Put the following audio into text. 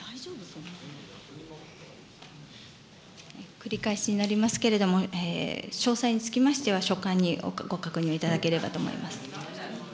繰り返しになりますけれども、詳細につきましては所管にご確認をいただければと思います。